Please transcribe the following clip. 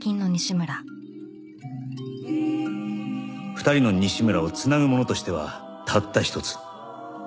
２人の西村を繋ぐものとしてはたった一つ